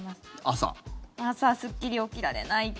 朝すっきり起きられない。